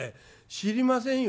知りませんよ」。